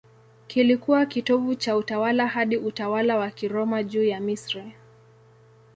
Kilikuwa kitovu cha utawala hadi utawala wa Kiroma juu ya Misri.